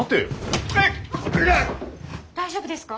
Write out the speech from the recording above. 大丈夫ですか？